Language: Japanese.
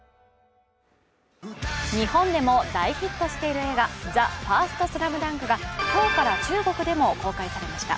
日本でも大ヒットしている映画「ＴＨＥＦＩＲＳＴＳＬＡＭＤＵＮＫ」が今日から中国でも公開されました。